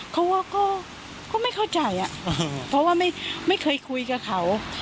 เขาก็ไม่เข้าใจเพราะว่าไม่เคยคุยกับเขา